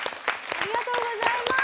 ありがとうございます。